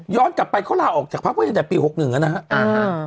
ย้อนกลับไปเขาล่าออกจากภาพประดัทตั้งแต่ปี๖๑แล้วนะครับ